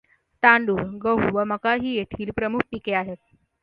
तांदूळ, गहू व मका ही येथील प्रमुख पिके आहेत.